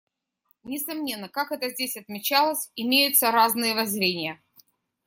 Несомненно, как это здесь отмечалось, имеются разные воззрения.